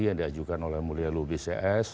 yang diajukan oleh mulia lubis cs